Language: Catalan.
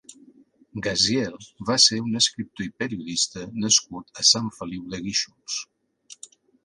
Gaziel va ser un escriptor i periodista nascut a Sant Feliu de Guíxols.